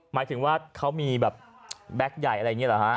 หมายถึงว่าเขามีแบบแบ็คใหญ่อะไรอย่างนี้เหรอฮะ